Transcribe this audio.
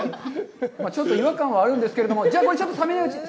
ちょっと違和感はあるんですけれども、じゃあ、これ、ちょっと冷めないうちに。